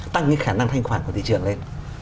tăng cái khả năng thanh khoản của thị trường lên